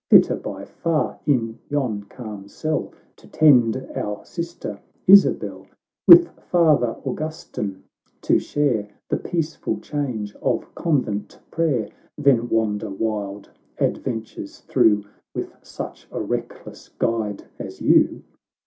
Fitter by far in yon calm cell To tend our sister Isabel, With father Augustin to share The peaceful change of convent prayer, Than wander wild adventures through, With such a reckless guide as you."